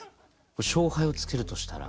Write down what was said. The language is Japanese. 勝敗をつけるとしたら？